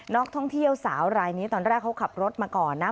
นักท่องเที่ยวสาวรายนี้ตอนแรกเขาขับรถมาก่อนนะ